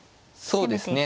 そうですね。